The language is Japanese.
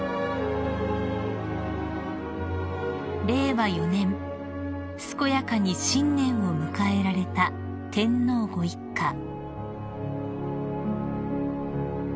［令和４年健やかに新年を迎えられた天皇ご一家］